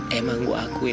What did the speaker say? dia juga clara di altair